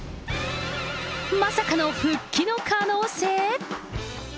まさかの復帰の可能性？